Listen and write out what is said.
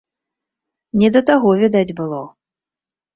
Не да таго, відаць, было.